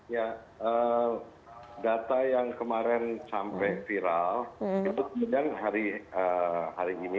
ya data yang kemarin sampai viral itu kemudian hari ini